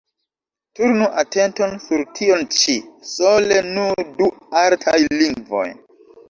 Turnu atenton sur tion ĉi: sole nur du artaj lingvoj.